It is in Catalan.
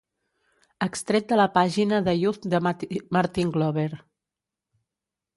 Extret de la pàgina de Youth de Martin Glover.